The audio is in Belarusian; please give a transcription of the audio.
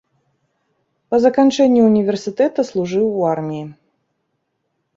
Па заканчэнні ўніверсітэта служыў у арміі.